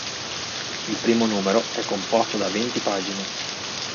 Il primo numero è composto da venti pagine.